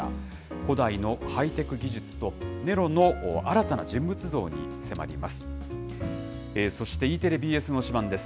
古代のハイテク技術と、ネロの新たな人物像に迫ります。